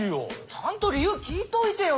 ちゃんと理由聞いといてよ